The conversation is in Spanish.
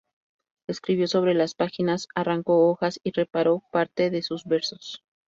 Escribió sobre las páginas, arrancó hojas y "reparó" parte de sus versos.